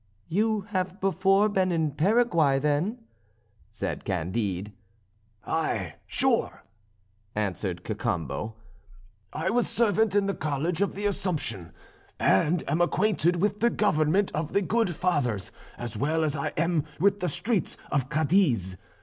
"You have before been in Paraguay, then?" said Candide. "Ay, sure," answered Cacambo, "I was servant in the College of the Assumption, and am acquainted with the government of the good Fathers as well as I am with the streets of Cadiz.